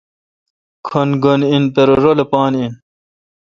کھن گھن این پرہ رلہ پان این